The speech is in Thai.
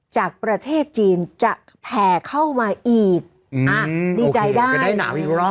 จากประเทศจีนจะแผ่เข้ามาอีกอ่ะดีใจได้ได้หนาวอีกรอบนึง